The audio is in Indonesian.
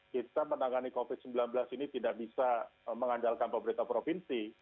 kita menangani covid sembilan belas ini tidak bisa mengandalkan pemerintah provinsi